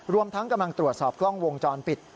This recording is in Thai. รวมทั้งกำลังตรวจสอบกล้องวงจรปิด